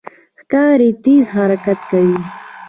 ښکاري تېز حرکت کوي.